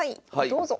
どうぞ。